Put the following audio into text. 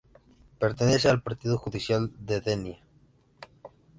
Pertenece al partido judicial de Denia.